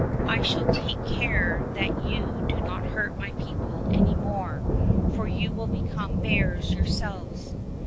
I shall take care that you do not hurt my people any more, for you will become bears yourselves."